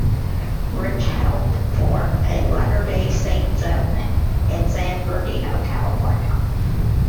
Rich helped form a Latter-day Saint settlement in San Bernardino, California.